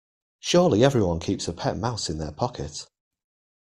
Surely everyone keeps a pet mouse in their pocket?